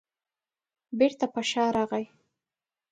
بېرته په شا راغی.